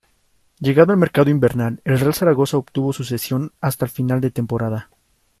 Llegado el mercado invernal, el Real Zaragoza obtuvo su cesión hasta final de temporada.